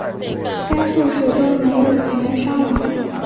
在该事故中没有人员伤亡。